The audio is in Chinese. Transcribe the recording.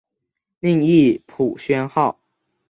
另译朴宣浩。